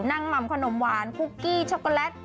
หม่ำขนมหวานคุกกี้ช็อกโกแลต